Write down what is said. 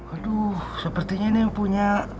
aduh sepertinya ini yang punya